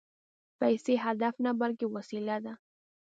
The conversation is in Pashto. پیسې هدف نه، بلکې وسیله ده